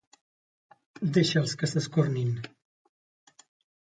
Deixa'ls que s'escornin.